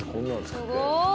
すごい！